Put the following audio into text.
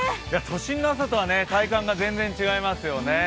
都心の朝とは体感が全然違いますよね。